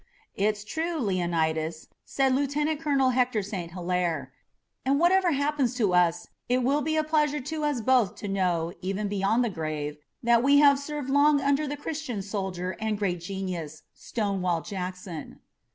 "It's true, Leonidas," said Lieutenant Colonel Hector St. Hilaire, "and whatever happens to us, it will be a pleasure to us both to know, even beyond the grave, that we have served long under the Christian soldier and great genius, Stonewall Jackson."